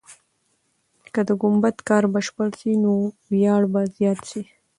که د ګمبد کار بشپړ سي، نو ویاړ به زیات سي.